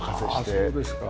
ああそうですか。